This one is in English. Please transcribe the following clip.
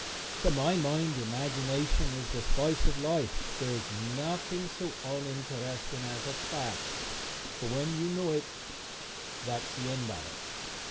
To my mind imagination is the spice of life. There is nothing so uninteresting as a fact, for when you know it that is the end of it.